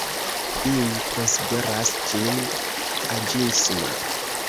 Iuj konsideras ĝin aĝisma.